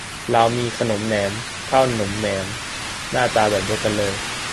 ลาวมี ขนมแหนบ ข้าวหนมแหนบ หน้าตาแบบเดียวกัน